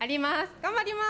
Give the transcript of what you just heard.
頑張ります！